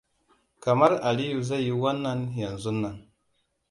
Kamar Aliyua zai yi wannan yanzun nan.